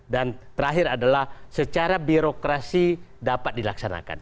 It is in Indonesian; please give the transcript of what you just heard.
dan terakhir adalah secara birokrasi dapat dilaksanakan